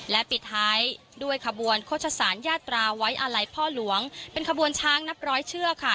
และปิดท้ายด้วยขบวนโฆษศาลยาตราไว้อาลัยพ่อหลวงเป็นขบวนช้างนับร้อยเชือกค่ะ